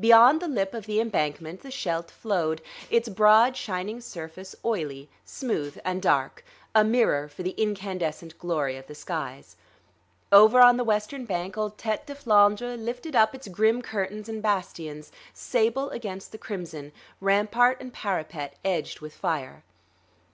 Beyond the lip of the embankment, the Scheldt flowed, its broad shining surface oily, smooth and dark, a mirror for the incandescent glory of the skies. Over on the western bank old Tête de Flandre lifted up its grim curtains and bastions, sable against the crimson, rampart and parapet edged with fire.